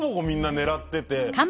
みんな狙ってて。